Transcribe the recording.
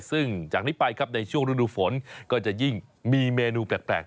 ซึ่งจากนี้ไปครับในช่วงฤดูฝนก็จะยิ่งมีเมนูแปลก